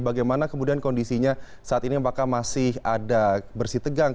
bagaimana kemudian kondisinya saat ini apakah masih ada bersih tegang